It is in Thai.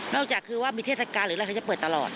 จากคือว่ามีเทศกาลหรืออะไรเขาจะเปิดตลอด